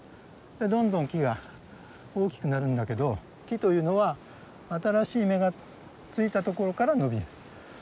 どんどん木が大きくなるんだけど木というのは新しい芽がついたところから伸びる。